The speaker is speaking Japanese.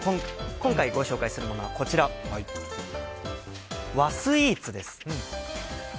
今回ご紹介するのはこちら、和スイーツです。